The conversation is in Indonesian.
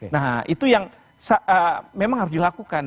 nah itu yang memang harus dilakukan